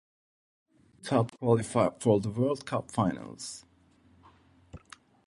The two top teams qualified for the World Cup finals.